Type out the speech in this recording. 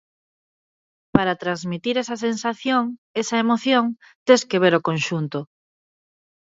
Para transmitir esa sensación, esa emoción, tes que ver o conxunto.